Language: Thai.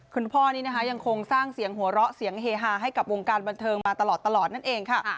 คุณพ่อนี่นะคะยังคงสร้างเสียงหัวเราะเสียงเฮฮาให้กับวงการบันเทิงมาตลอดนั่นเองค่ะ